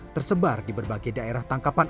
tersebar di berbagai daerah tangkapan